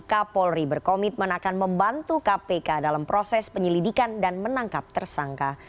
kapolri berkomitmen akan membantu kpk dalam proses penyelidikan dan menangkap tersangka